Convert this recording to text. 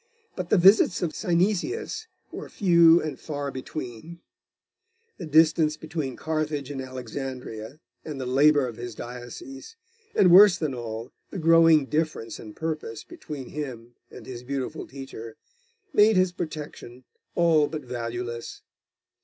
But the visits of Synesius were few and far between; the distance between Carthage and Alexandria, and the labour of his diocese, and, worse than all, the growing difference in purpose between him and his beautiful teacher, made his protection all but valueless.